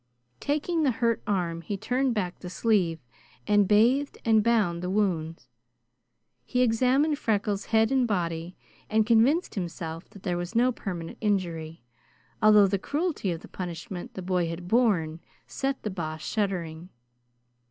Taking the hurt arm, he turned back the sleeve and bathed and bound the wounds. He examined Freckles' head and body and convinced himself that there was no permanent injury, although the cruelty of the punishment the boy had borne set the Boss shuddering.